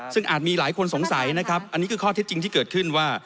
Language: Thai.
ซึ่งอาจมีหลายคนสงสัยนะครับอันนี้คือข้อเท็จจริงที่เกิดขึ้นว่า